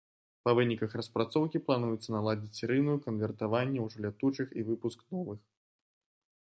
Па выніках распрацоўкі плануецца наладзіць серыйную канвертаванне ўжо лятучых і выпуск новых.